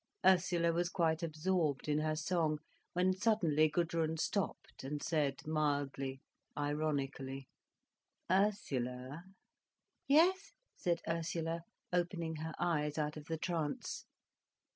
Ursula was quite absorbed in her song, when suddenly Gudrun stopped and said mildly, ironically: "Ursula!" "Yes?" said Ursula, opening her eyes out of the trance.